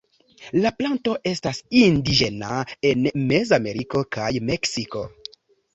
La planto estas indiĝena en Mezameriko kaj Meksiko.